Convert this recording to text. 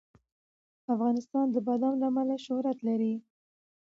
افغانستان د بادام له امله شهرت لري.